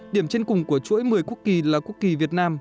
điểm trên cùng của chuỗi một mươi quốc kỳ là quốc kỳ việt nam